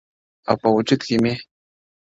o او په وجود كي مي،